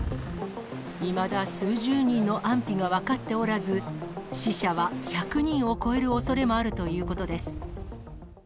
いまだ数十人の安否が分かっておらず、死者は１００人を超えるおそれもあるということです。